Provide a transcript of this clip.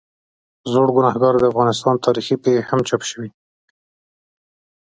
زړوګناهکار، د افغانستان تاریخي پېښې هم چاپ شوي.